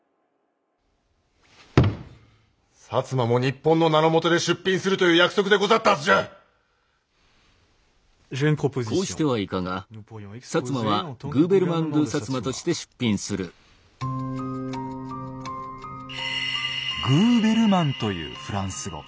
摩も日本の名のもとで出品するという約束でござったはずじゃ！というフランス語。